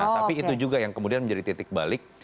tapi itu juga yang kemudian menjadi titik balik